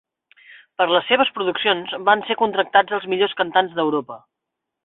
Per les seves produccions van ser contractats els millors cantants d'Europa.